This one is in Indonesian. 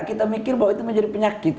kita mikir bahwa itu menjadi penyakit